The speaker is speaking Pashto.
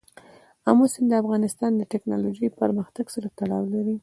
آمو سیند د افغانستان د تکنالوژۍ پرمختګ سره تړاو لري.